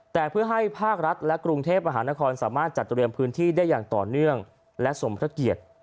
แต่เพื่อให้ภาครัฐและกรุงเทพมหานครสามารถจัดเตรียมพื้นที่ได้อย่างต่อเนื่องและสมพระเกียรติ